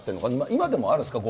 今でもあるんですか？